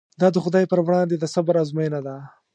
دا د خدای پر وړاندې د صبر ازموینه ده.